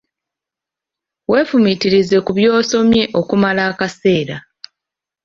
Weefumiitirize ku by'osomye okumala akaseera.